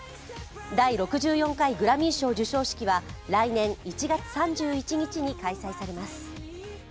第６４回グラミー賞授賞式は来年１月３１日に開催されます。